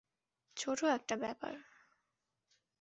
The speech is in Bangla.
ছোটো একটা ব্যাপার।